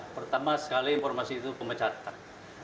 pertama sekali informasi itu pemecatan